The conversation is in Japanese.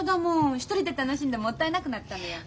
１人で楽しむのもったいなくなったのよ。